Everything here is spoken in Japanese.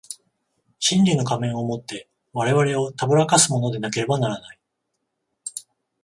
真理の仮面を以て我々を誑かすものでなければならない。